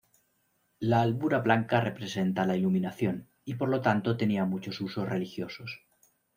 La albura blanca representa la iluminación, y por lo tanto tenía muchos usos religiosos.